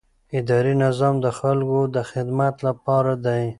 اداري نظام د خلکو د خدمت لپاره دی.